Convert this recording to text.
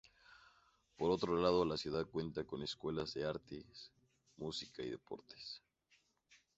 Por otro lado la ciudad cuenta con escuelas de artes, música y deportes.